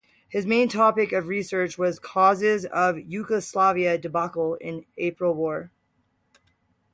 His main topic of research was causes of Yugoslav debacle in April War.